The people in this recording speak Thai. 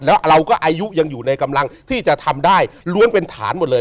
แล้วเราก็อายุยังอยู่ในกำลังที่จะทำได้ล้วนเป็นฐานหมดเลย